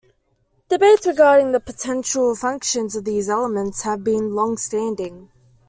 Debates regarding the potential functions of these elements have been long standing.